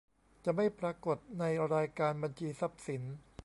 จะไม่ปรากฏในรายการบัญชีทรัพย์สิน